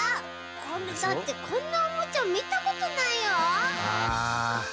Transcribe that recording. こんなだってこんなオモチャみたことないよ！